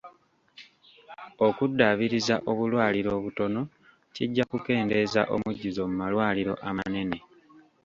Okuddaabiriza obulwaliro obutono kijja kukendeeza omujjuzo mu malwaliro amanene